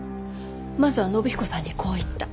まずは信彦さんにこう言った。